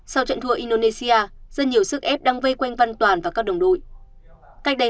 sau trận thua indonesia rất nhiều sức ép đang vây quanh văn toàn và các đồng đội